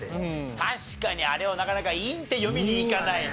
確かにあれをなかなか「いん」って読みにいかないね。